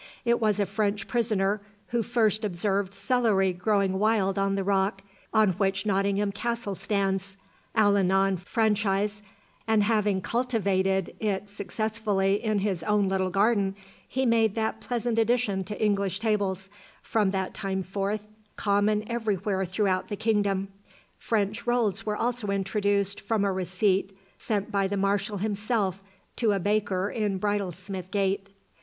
It was a French prisoner who first observed celery growing wild on the rock on which Nottingham Castle stands, Alainon Franchise, and having cultivated it successfully in his own little garden, he made that pleasant addition to English tables, from that time forth common every where throughout the kingdom. French rolls were also introduced from a receipt sent by the Marshall himself to a baker in Bridlesmith gate.